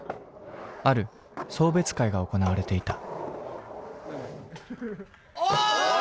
ある送別会が行われていた。